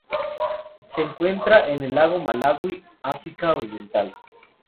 Se encuentra en el lago Malawi, África Oriental.